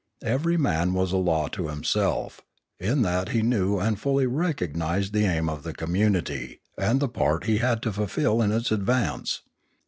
Every man was a law to himself, in that he knew and fully recognised the aim of the community and the part he had to fulfil in its advance.